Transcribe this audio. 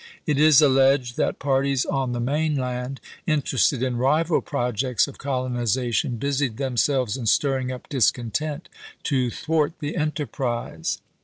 It is alleged that parties on the main land, interested in rival projects of colonization, busied themselves in stirring up discontent to thwart the enterprise.